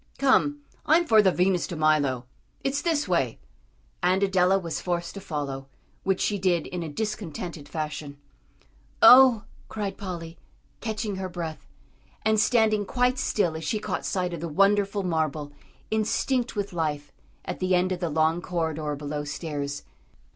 "Come, I'm for the Venus de Milo. It's this way;" and Adela was forced to follow, which she did in a discontented fashion. "Oh!" cried Polly, catching her breath, and standing quite still as she caught sight of the wonderful marble, instinct with life, at the end of the long corridor below stairs.